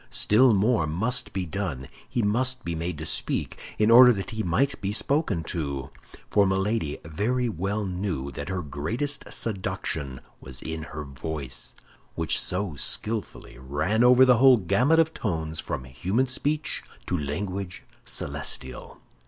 Still more must be done. He must be made to speak, in order that he might be spoken to—for Milady very well knew that her greatest seduction was in her voice, which so skillfully ran over the whole gamut of tones from human speech to language celestial.